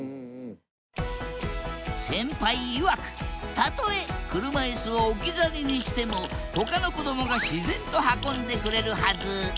たとえ車いすを置き去りにしてもほかの子どもが自然と運んでくれるはず。